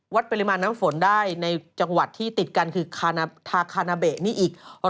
ปริมาณน้ำฝนได้ในจังหวัดที่ติดกันคือทาคานาเบะนี่อีก